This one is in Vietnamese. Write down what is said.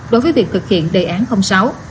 đối với việc thực hiện đề án sáu